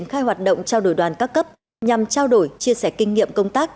hai hoạt động trao đổi đoàn các cấp nhằm trao đổi chia sẻ kinh nghiệm công tác